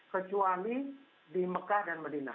kecuali di mekah dan medina